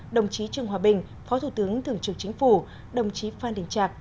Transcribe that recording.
đồng chí trương hòa bình phó thủ tướng thường trực chính phủ đồng chí phan đình trạc